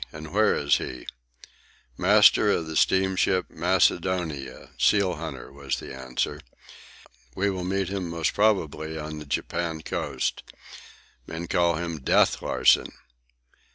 And where is he?" "Master of the steamship Macedonia, seal hunter," was the answer. "We will meet him most probably on the Japan coast. Men call him 'Death' Larsen."